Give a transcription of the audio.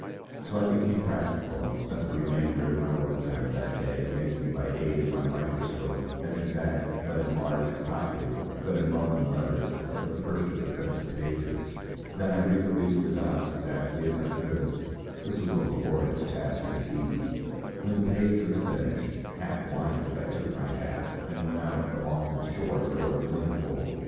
So I became practical, and spent the remainder of my work time that day in making by aid of my microscope an exact but enlarged copy, but in Roman letters, of the first of the printed pages. Then I reproduced the dots as exactly as I could. This was a laborious task indeed. When the page was finished, half blinded, I took my hat and went out along the shore towards Whinnyfold.